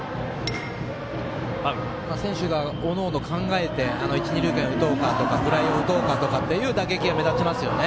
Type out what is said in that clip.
選手がおのおの考えて一塁、二塁間に打とうかとかフライを打とうかという打撃が目立ちますよね。